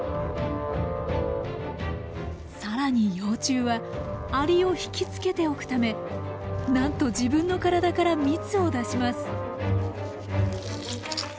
更に幼虫はアリを引き付けておくためなんと自分の体から蜜を出します。